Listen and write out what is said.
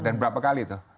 dan berapa kali tuh